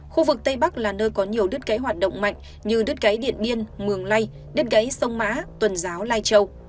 khu vực tây bắc là nơi có nhiều đứt gãy hoạt động mạnh như đứt gãy điện biên mường lây đứt gãy sông mã tuần giáo lai châu